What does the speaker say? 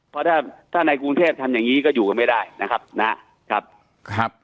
เพราะถ้าถ้าในกรุงเทพทำอย่างงี้ก็อยู่กันไม่ได้นะครับนะครับครับ